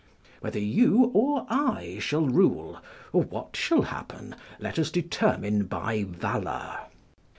["Whether you or I shall rule, or what shall happen, let us determine by valour."